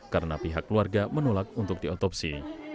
karena pihak keluarga menolak untuk diotopsi